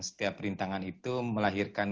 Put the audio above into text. setiap perintangan itu melahirkan